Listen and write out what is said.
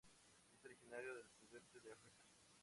Es originario del sudeste de África.